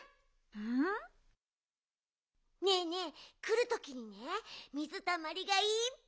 うん？ねえねえくるときにねみずたまりがいっぱいあったよ。